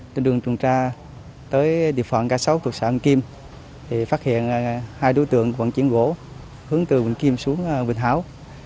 điện tử vận ca sấu thuộc xã vĩnh kim phát hiện hai đối tượng vận chuyển gỗ hướng từ vĩnh kim xuống vịnh hảo